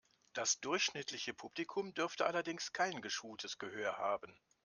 Das durchschnittliche Publikum dürfte allerdings kein geschultes Gehör haben.